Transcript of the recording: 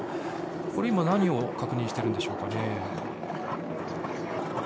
今、何を確認してるんでしょうか。